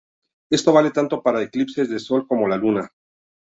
Esto vale tanto para los eclipses de Sol como de Luna.